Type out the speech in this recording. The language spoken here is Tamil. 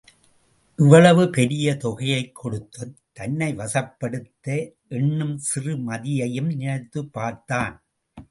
இவ்வளவு பெரிய தொகையைக் கொடுத்துத் தன்னை வசப்படுத்த எண்ணும் சிறு மதியையும் நினைத்துப் பார்த்தான்.